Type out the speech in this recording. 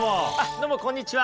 どうもこんにちは。